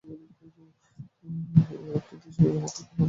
কিন্তু সে আমাকে খুনের মামলায় আত্মসমর্পণ করতে বলছে, ভাই।